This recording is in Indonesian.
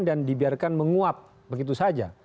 dan dibiarkan menguap begitu saja